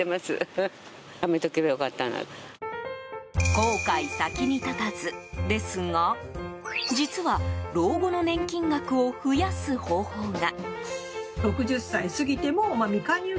後悔先に立たずですが実は、老後の年金額を増やす方法が。